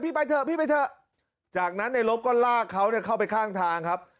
ไปเถอะพี่ไปเถอะจากนั้นในลบก็ลากเขาเนี่ยเข้าไปข้างทางครับ